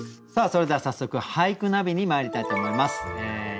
それでは早速「俳句ナビ」にまいりたいと思います。